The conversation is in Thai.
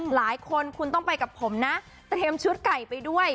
หลายคนคุณต้องไปกับผมนะเตรียมชุดไก่ไปด้วย